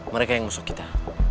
mereka yang ngusuk kita